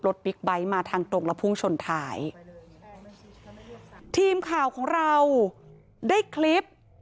บิ๊กไบท์มาทางตรงแล้วพุ่งชนท้ายทีมข่าวของเราได้คลิป